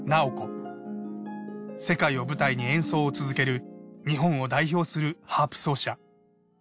世界を舞台に演奏を続ける日本を代表するハープ奏者。